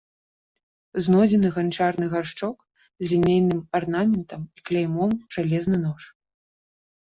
Знойдзены ганчарны гаршчок з лінейным арнаментам і кляймом, жалезны нож.